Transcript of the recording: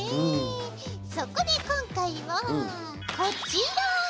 そこで今回はこちら。